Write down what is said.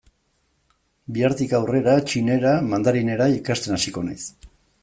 Bihartik aurrera txinera, mandarinera, ikasten hasiko naiz.